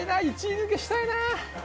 １位抜けしたいな！